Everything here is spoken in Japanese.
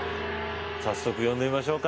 早速呼んでみましょうか。